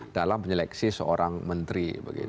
dalam menyeleksi seorang menteri